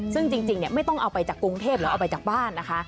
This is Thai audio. ซึ่งจริงไม่ต้องเอาไปจากกรุงเทพหรือเอาไปจากบ้านนะคะ